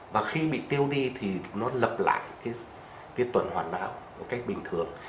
và khi bị tiêu đi thì nó lập lại cái tuần hoàn não một cách bình thường